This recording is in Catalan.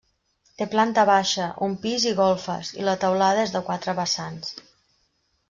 Té planta baixa, un pis i golfes, i la teulada és de quatre vessants.